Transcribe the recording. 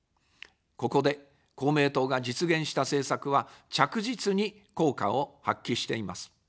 ここで公明党が実現した政策は、着実に効果を発揮しています。